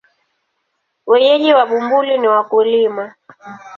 Wenyeji wa Bumbuli ni wakulima.